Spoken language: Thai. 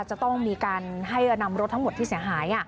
จะต้องมีการให้นำรถทั้งหมดที่เสียหาย